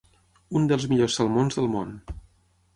Un dels millors salmons del món.